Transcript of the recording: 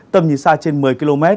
tầm nhìn xa trên một mươi km